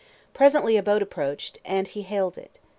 Presently a boat approached, and he hailed it.